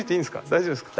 大丈夫ですか？